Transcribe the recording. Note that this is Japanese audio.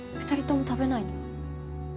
２人とも食べないの？